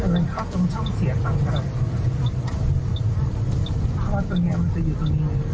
มันเข้าตรงช่องเถียงต่างก็ได้